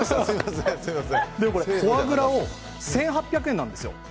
これ、フォアグラ１８００円なんです。